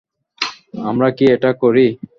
আমরা কি এটা করি?